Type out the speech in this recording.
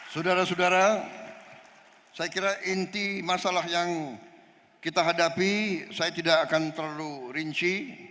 saudara saudara saya kira inti masalah yang kita hadapi saya tidak akan terlalu rinci